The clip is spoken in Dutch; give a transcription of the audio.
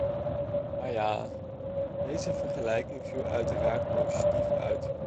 Maar ja, deze vergelijking viel uiteraard positief uit.